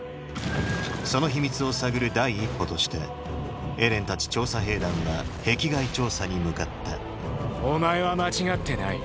その秘密を探る第一歩としてエレンたち調査兵団は壁外調査に向かったお前は間違ってない。